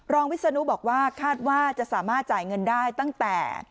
วิศนุบอกว่าคาดว่าจะสามารถจ่ายเงินได้ตั้งแต่